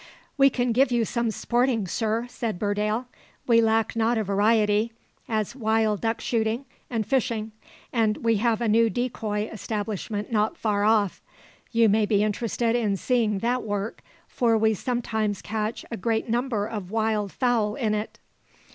"We can give you some sporting, sir," said Burdale. "We lack not a variety as wild duck shooting, and fishing; and we have a new decoy establishment not far off. You may be interested in seeing that work, for we sometimes catch a great number of wild fowl in it."